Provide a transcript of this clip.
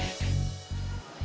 malu tau gak